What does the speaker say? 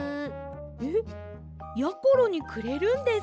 えっやころにくれるんですか？